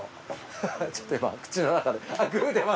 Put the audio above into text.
ハハッちょっと今口の中で。